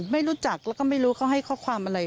ไม่รู้จักแล้วก็ไม่รู้เขาให้ข้อความอะไร